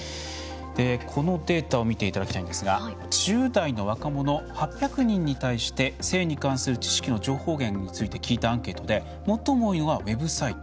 このデータを見ていただきたいんですが１０代の若者８００人に対して性に関する知識の情報源について聞いたアンケートで最も多いのはウェブサイト。